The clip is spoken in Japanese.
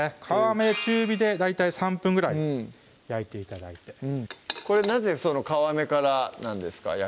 皮目中火で大体３分ぐらい焼いて頂いてこれなぜ皮目からなんですか？